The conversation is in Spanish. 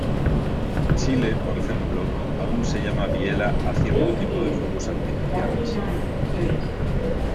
En Chile, por ejemplo, aún se llaman "biela" a cierto tipo de fuegos artificiales.